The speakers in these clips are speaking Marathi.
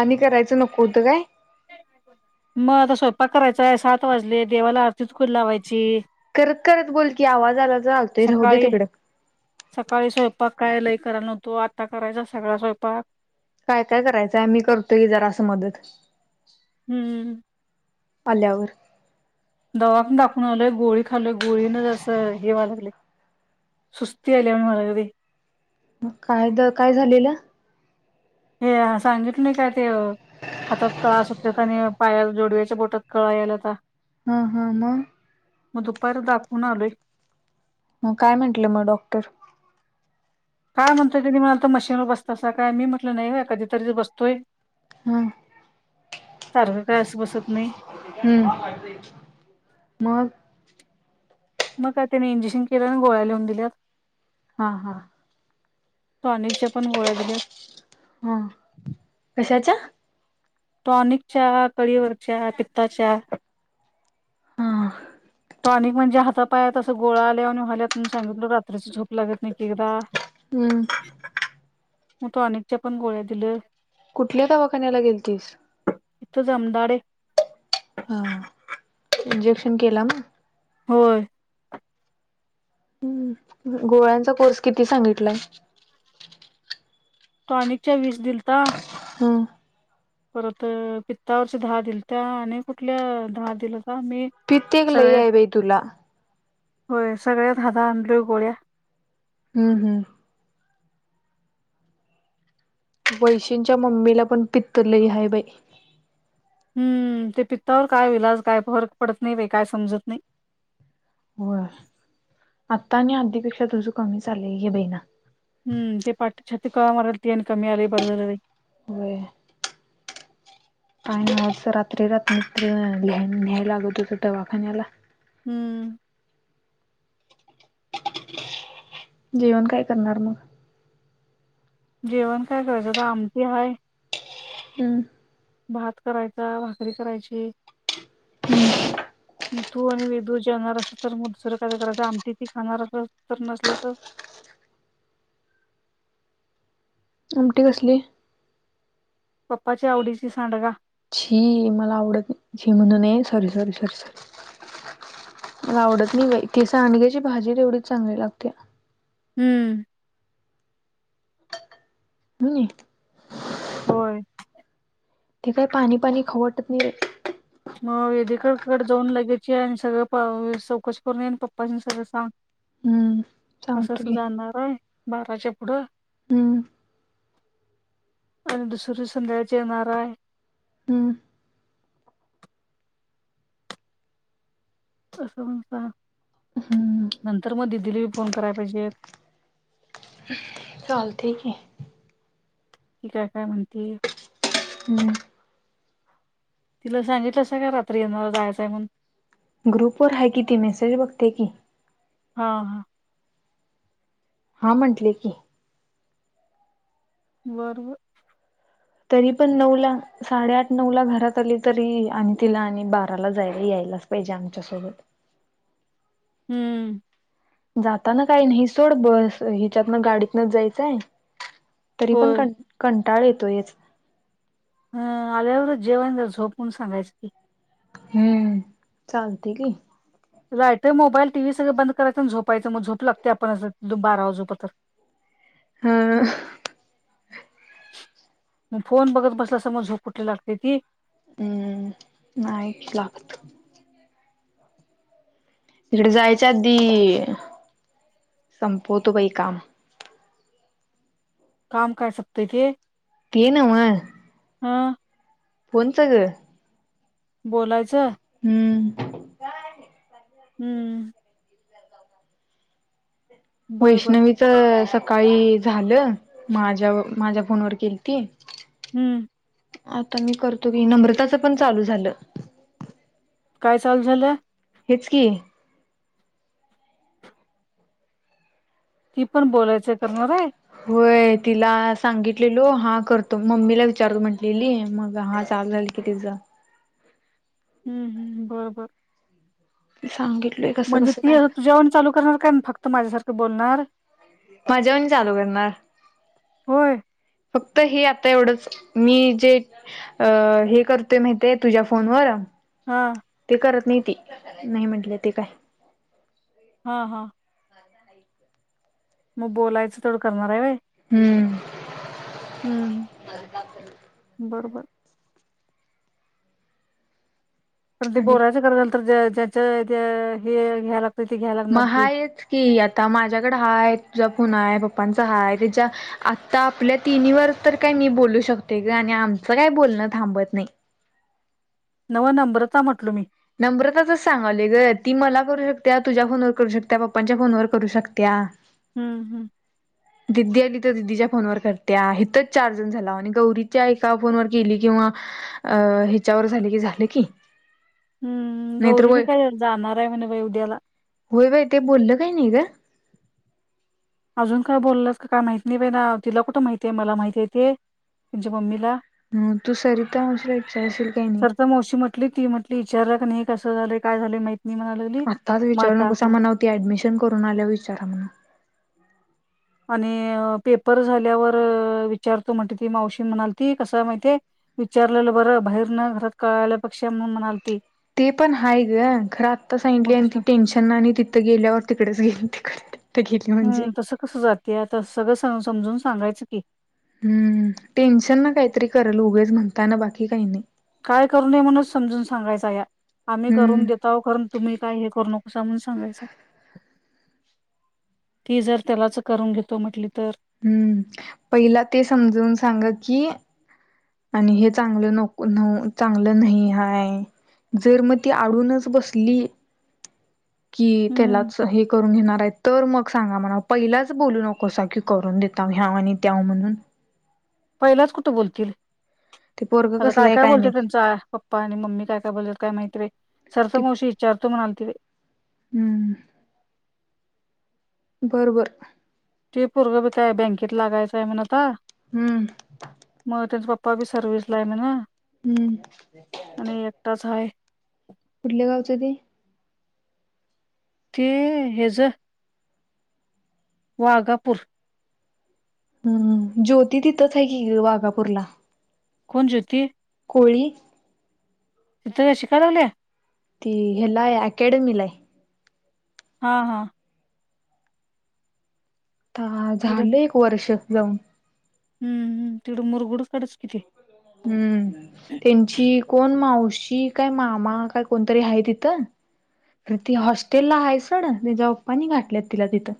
आणि करायचं नको होतं होय. मग आता स्वयंपाक करायचा आहे सात वाजले देवाला आरती चकून लावायची. करत करत बोल की आवाज आला तर आलतोय राहू दे सकाळी, तिकडं सकाळी स्वयंपाक. काय लय कराय नव्हतो आत्ता करायचा सगळा स्वयंपाक. काय काय करायचंय मी करतोय जरास मदत. हम्म. आल्यावर. दवाखानत दाखवून आलोय गोळी खाल्लो गोळी न असं हे व्हायला लागलय. सुस्ती आल्या वाणी व्हायला लागलय. मग काय द काय झालेलं. हे सांगितलो नाय काय ते हातात कळा सुट सूट त्यात आणि पाया जोडव्याच्या बोटात कळा यायलाता. हा हा म. मग दुपारी दाखवून आलोय. मग काय म्हंटले मग डॉक्टर. काय म्हणतोय तुम्ही म आता मशीनवर बसता सा काय मी म्हटलं नाही का कधीतरी बसतोय. हं सारखं काय असं बसत नाही. हम्म मग मग काये त्यानी इंजेक्शन केलं आणि गोळ्या लिहून दिल्यात. हा हा टॉनिकच्या पण गोळ्या दिल्या. हा कशाच्या टॉनिकच्या, कळीवरच्या, पित्ताच्या हा टॉनिक म्हणजे हातापायात असं गोळा आल्या वानी व्यायल्यात म्हणून सांगितलं रात्रीच झोप लागत नाही की एकएकदा. हम्म म टॉनिकच्या पण गोळ्या दिल्या. कुठल्या दवाखान्याला गेलतीस इथ जमदाडे. हा इंजेक्शन केला म होय. गोळ्यांचा कोर्स किती सांगितलाय. टॉनिकच्या वीस दिलता. हं परत पित्तावरचे दहा दिलत्या आणि कुठल्या दहा दिल पित्त एक लय हाय बघ तुला होय सगळ्यात हाता आणंलय गोळ्या हम्म हम्म वैशींच्या मम्मीला पण पित्त लई हाय बाय. हम्म ते पित्तावर काय विलाज काय फरक पडत नाही बई काय समजत नाई. हो आता आणि आधी पेक्षा तर कमी आले ये बहिणा हम्म ते पाट छाती कळा मारत ते आणि कमी आलय बरं झाल बाई. होय. आन अस रात्री रात्र त्री न्यायला लागत दवाखान्याला. हम्म जेवण काय करणार मग जेवण काय करायचं आता आमटी हाय. हम्म भात करायचा. भाकरी करायची. मग तू आणि वेदू जेवणार अस तर मग दुसरं काय करायचं आमटी ती खाणार असल तर नसल तर [inaudible] उमटी कसली? पप्पाच्या आवडीची सांडगा. छी मला आवडत नाय छी म्हणू नये सॉरी सॉरी सॉरी सॉरी. मला आवडत नाही बाई ती तसांडग्याची भाजी तेवढीच चांगली लागते. हम्म हनी होय. ते काय पाणी पाणी खाऊ वाटत नाही बाय. मग वेदिकाकडे जाऊन लगेचं ये आणि प सगळं चौकशी करून ये आणि पप्पा सगळं सांग. [unintelligible] असं सांगतो अस की. जाणारय बाराच्या पुढं हम्म- आणि दुसऱ्या संध्यकाळीच येणार हाय. हम्म. असं म सा हम्म. नंतर म दिल दिलीवी फोन करायला पाहिजेत. चालतय की. कि काय काय म्हणते. हम्म. तिला सांगितलंस का रात्री येणार जायचंय म्हून. ग्रुपवर हाय कि ती मेसेज बघत्या की. हा हा. हा म्हंटले की. वर वर. तरी पण नऊला साडेआठ नऊला घरात आली तरी आणि तिला आणि बाराला जायला यायला यायलाच पाहिजे आमच्या सोबत. हम. जाताना काहीनाही सोड बस हिच्यातनं गाडीतनच जायचंय. तरी पण होय कन कंटाळ येतोयच. ह. आल्यावरच जेव आणि झोप म्हणून सांगायचं की. हम, चालतंय की. लायटा, मोबाईल, टीव्ही सगळं बंद करायचं आन झोपायचं. मग झोप लागत्या आपण आस बारा वाजू पतर. ह. म फोन बघत बसलासा म झोप कुठली लागत्या ती. हम नाही लागत. तिकड जायच्या आधी संपवतो बाई काम. काम काय संपतय के. ते नव्ह. ह. फोनच ग. बोलायचं. काय. हम. बर बर वैष्णवीच सकाळी झालं. माझ्या माझ्या फोनवर केलती. हम्म आता मी करतो की नम्रताच पण चालू झालं. काय चालू झालं? हेच की. ती पण बोलायचं हे करणार आहे. होय. तिला सांगितलेलो हा करतो. मम्मीला विचारतो म्हटलेली मग हा चालू झाल की. तिज. हम हम बरोबर. सांगितली. म्हणजे ती असं तुझ्यावानी चालू करणार काय फक्त माझ्यासारखं बोलणार. माझ्यावानी चालू करणार. होय फक्त हे आता तेवढंच. मी जे हे करतोय माहिती आहे तुझ्या फोनवर. हा. ते करत नाही ती नाही म्हटल्या ते काय. हा हा. मग बोलायचं तेवढं करणार आहे होय. हम. हम बरोबर. पण ते आणि बोलायचं करायचं झालं तर ज्याच्या हे घ्यायला. ते घ्यायला म लागणार की हायच की आता माझ्याकड हाय तूझ्या फोन हाय पापांच हाय तेच्या आत्ता आपल्या तिन्हीवर तर काय मी बोलू शकते ग आणि आमच काय. बोलणं थांबत नाही. नव्ह नब्रता म्हटलो मी नब्रताच सांगायलोय ग ती मला करू शकत्या तुझ्या फोनवर करू शकत्या पप्पांच्या फोनवर करू शकत्या हम हम दीदीच्या फोनवर करत्या हिताचं चारजण झालो आणि गौरीच्या एका फोनवर केली किंवा हीच्यावर झाली की झालं की हम्म नाही तर गौरी बी होय. काय जाणार आहे म्हणे बाई उद्याला. होय बाई ते बोललं काय नाही ग अजून काय बोलासाका काय माहती नाही बाईना तिला कुठं माहितीये मला माहिती आहेे ते तेनच्या मम्मीला ह तू सरिता मावशीला विचारशील काही स नाही. तर मावशी म्हटली ती म्हटली इचारक पण हे कं झालं काय झाले माहि आत्ताच विचारू न कस मणावती ऍडमिशन करून आल्या विचारा म्हणा आणि पेपर झाल्यावर विचारतो म्हणते ती मावशी म्हणाली ती कस माहितीय विचारलेलं बरं बाहेर न घरात काळाल्या पक्षा म्हण म्हणाल ते पण हय ग खरं आत्ता मग सांडली आणि ती कसं टेन्शन ना आणि तिथं गेल्यावर तिकडेच गेल हम्म तसं कसं जाते आता सगळं समजून सांगायचं की हम्म टेन्शन ना काहीतरी करल उघेच म्हणताना बाकी काही नाही काय कर नये म्हणूनच समजून सांगायचा या आम्ही करून हम्म देता आो कारण तुम्ही काय हे कर न अस म्हण सांगायचय ती जर त्यालाच करून घेतो म्हटली तर हम्म पहिला ते समजवून सांग की आणि हे चांगलं नक चांगलं नाही आहेाय जर मग ती आडूनच बसली की हम्म त्यालाच हे करून घेणार आहे तर मग सांगा म्हणा पहिलाच बोलू नको की करून देता ह्या आणि त्याव म्हणून पहिलाच कुठं बोलतील ते प आता काय काय बोलतो त्यांच पप्पा आणि मम्मी काय काय बोलतात काय माहिती सर तर ते मावशी विचारतो म्हणा तर हम्म बरोबर ते परगं ब काय बँकेत लागायचं आहे म्हण आता हम्म मग त्यांचा पप् [inaudible] पपा बी सर्विस ला आहे म ना हम्म आणि एकटाच आहे कुठल्या गावचं ते ते हेज वाघापूर हम्मम ज्योती तिथंच आहे की वाघापूरला कोण ज्योती होळी तिथ शिकाय लागल्या ती हलाय अकॅडमीलाय हा हा आ तिकडं झालं एक वर्ष जाऊन हम्म हम तेवढं मुरगडच काढच किथे हम्म शी काय मामा काय कोणतरी आहे तिथं ती हॉस्टेलला आहे सड तिच्या पप्पानी घातलय तिला तिथं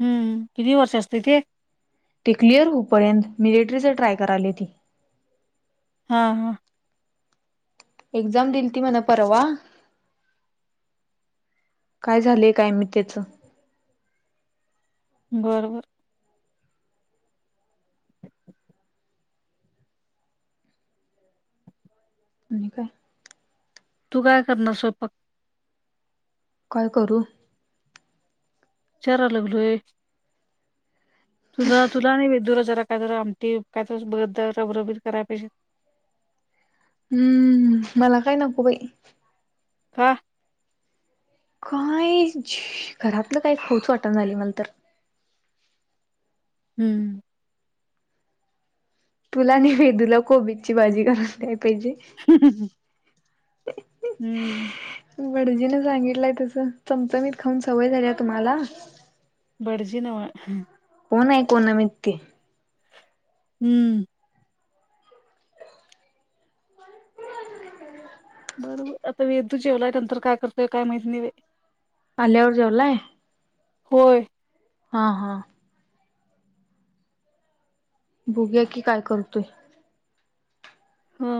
हम्म किती वर्ष असते ते ते क्लिअर होऊपर्यंत मिलिटरीचे ट्राय कराली ती हा हा एक्झाम दिली ती म्हणा परवा काय झालेय काय मी त्याचं बरोबर अ काय तू काय करणार स्वयंपाक काय करू? विचाराय लागलोय. तुझा तुला नाहीे बाई दुरचं जरा का जरा आमटी काय त बघ रबरबीत कराय पाहिजे. हम्म मला काय नको बाई. का? काय घरातलं काय खाऊच वाटणा झालयं मला तर. हम्म. तुला ने तुला कोबीजची भाजी करून द्याय पाहिजे हं. हम्म. भटजीनं सांगितलाय तसं चमचमीत खाऊन सवय झालीया तुम्हाला. भडजी नव्हं हं हं. कोण आहे कोणमितती हम्म. बर बर आता वेदू जेवलाय नंतर काय करतोय काय माहिती नाही बाई. आल्यावर जेवलाय? होय. हा हा. बघूया की काय करतोय. हा.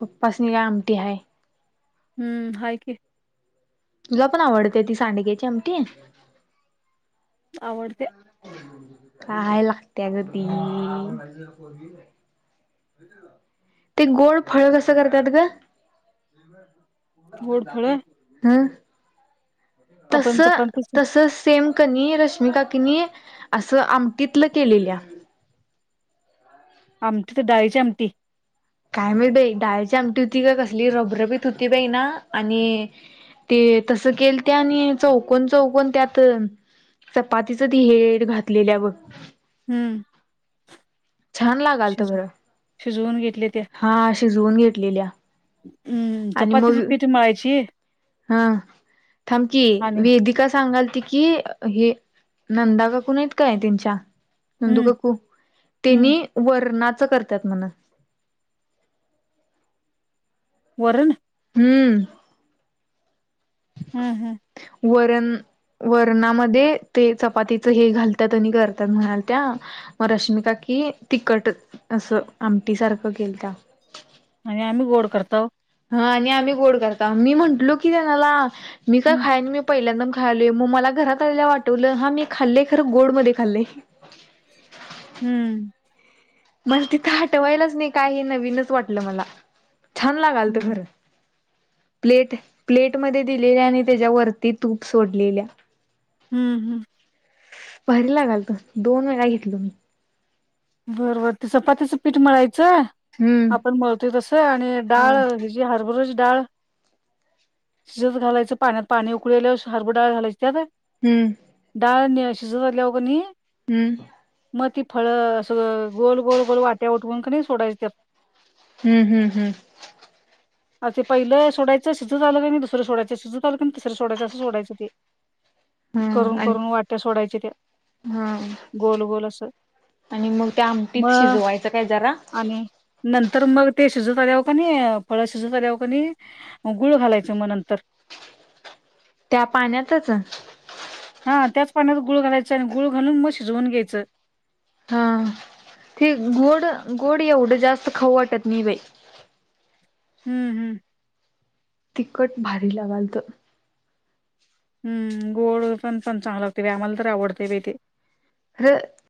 पप्पा स्नी काय आमटी हाय. हम्म हाय कि. तुला पण आवडतिया ती सांडग्याची आमटी? आवडतिया. काय लागतिया ग ती ते गोड फळ कसं करतात ग? गोड फळं हम्म. आपण तसं चपातीच तसं सेम कनी रश्मी काकींनी असं आमटीतलं केलेल्या. आमटी तर डाळीची आमटी. काय माहित बाई डाळची आमटी हुती काय कसली रबरबीत हुती बाईना आणि ते तसं केलत्या आणि चौकन चौकन त्यात चपातीचं ते हेड घातलेल्या बघ. हम्म. छान लागायलत शिज खरं शिजवून घेतली त्या हा शिजवून घेतलेल्या. हम्म आणि मग चपातीची पीठ मळायची हा थांबकी आणि वेदीका सांगायल त की हे नंदा काकू नाहीत काय त्यांच्या नंदू हम्म काकू हम्म त्यांनी वरणाचं करतात म्हण वरण. हम्म. हम्म हम्म. वरण वरणामध्ये ते चपातीचं हे घालत्यात आणि करत्यात म्हणायलत्या मग रश्मि का की तिखट असं आमटीसारखं केलत्या. आणि आम्ही गोड करताव. हा आणि आम्ही गोड करताव मी म्हंटलो की त्यांनाला मी काय हम्म खायाय नाई मी पहिल्यांदा यालोय, मग मला घरात आल्यावर आटवलं हा मी खाल्लयं खरं गोड मध्ये खाल्लय. हम्म. मला तिथं आटवायलाच नाही काय हे नवीनच वाटलं मला. छान लगळत हम्म खरं प्लेट प्लेट मध्ये दिलेल्या आणि त्यज्या वरती तूप सोडलेल्या हम्म हम्म. भारी लागालत दोन वेळा घेतलो मी बरबर त चपातीचं पीठ मळायचं हम्म आपण मळतोय तस आणि हा डाळ हि जी हरभर ची डाळ शिजत घालायच पाण्यात पाणी उकळलं हरबुर डाळ घालायची त्यात हम्म डाळ णी शिजू घातल्यावर कणी हम्म. मग ती फळ अस गोल गोल गोल वाट्या उठवून कणी सोडायच त्यात हम्म हम्म हम्म. अ ते पहिलं सोडाययं शिजुत आल कणी दुसरं सोडायच शिजुत आल कणी तिसरं सोडायच असं सोडायचं ते हम्म करून आणि करून वाट्या सोडायच्या त्या गोल गोल असं म त्य आमटीत मग शिजवायचं काय जरा आणि नंतर मग ते शिजुत आल्यावर कनी फळं शिजुत आल्यावर कनी गुळ घालायच म नंतर त्या पाण्यातच हा त्याच पाण्यात गुळ घालायच आणि गुळ घालून मग शिजवून घ्यायचं. हा. ते गोड गोड एवढं जास्त खाऊ वाटत नाही बाई हम्म हम्म. तिखट भारी लागालत. हम्म गोड पण पण चांगल लागतय आम्हाला तर आवडतय बाई ते [unintelligible]